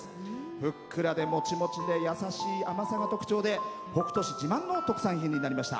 ふっくらで、もちもちでやさしい甘さが特徴で北斗市自慢の特産品となりました。